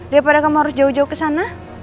daripada kamu harus jauh jauh ke sana